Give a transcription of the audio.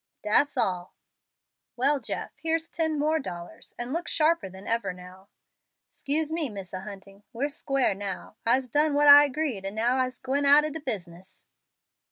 "Dat's all." "Well, Jeff, here's ten dollars more, and look sharper than ever now." "'Scuse me, Misser Hunting. We'se squar' now. I'se done what I agreed, and now I'se gwine out ob de business."